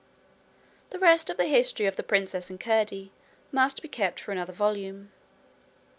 The rest of the history of The Princess and Curdie must be kept for another volume.